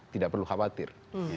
tidak perlu khawatir